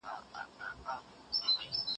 ته ولي انځور ګورې؟